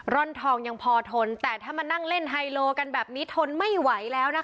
ร่อนทองยังพอทนแต่ถ้ามานั่งเล่นไฮโลกันแบบนี้ทนไม่ไหวแล้วนะคะ